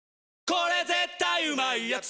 これ絶対うまいやつ」